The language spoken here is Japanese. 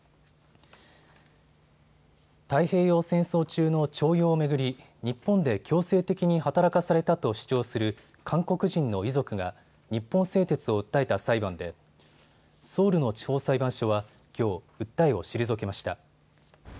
太平洋戦争中の徴用を巡り、日本で強制的に働かされたと主張する韓国人の遺族が日本製鉄を訴えた裁判でソウルの地方裁判所はきょう、訴えを退けました。